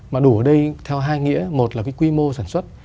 mà đủ ở đây theo hai nghĩa một là cái quy mô sản xuất